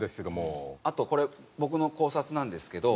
あとこれ僕の考察なんですけど。